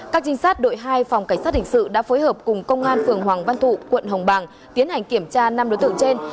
các trinh sát đội hai phòng cảnh sát hình sự đã phối hợp cùng công an phường hoàng văn thụ quận hồng bàng tiến hành kiểm tra năm đối tượng trên